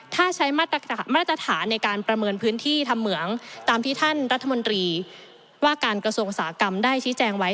ถ้าใช้มาตรฐานในการประเมินพื้นที่ทำเหมืองตามที่ท่านรัฐมนตรีว่าการกระทรวงอุตสาหกรรมได้ชี้แจงไว้